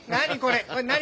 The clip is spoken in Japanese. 何？